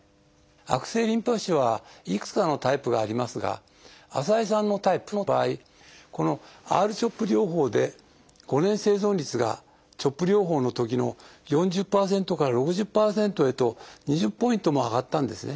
悪性リンパ腫はいくつかのタイプがありますが浅井さんのタイプの場合このＲ−ＣＨＯＰ療法で５年生存率がＣＨＯＰ療法のときの４０％から６０％へと２０ポイントも上がったんですね。